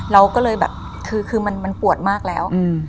เราก็เลยแบบคือมันปวดมากแล้ว